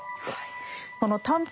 その短編